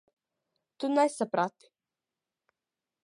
Tu nesaprati.